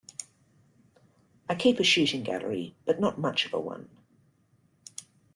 I keep a shooting gallery, but not much of a one.